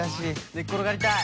寝転がりたい！